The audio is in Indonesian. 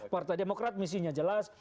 partai demokrat misinya jelas